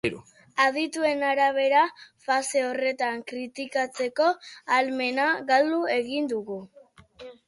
Adituen arabera, fase horretan kritikatzeko ahalmena galdu egiten dugu.